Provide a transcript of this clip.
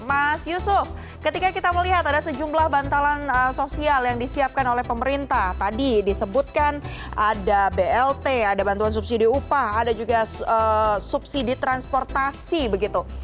mas yusuf ketika kita melihat ada sejumlah bantalan sosial yang disiapkan oleh pemerintah tadi disebutkan ada blt ada bantuan subsidi upah ada juga subsidi transportasi begitu